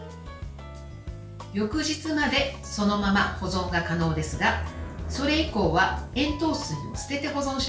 翌日までそのまま保存が可能ですがそれ以降は塩糖水を捨てて保存しましょう。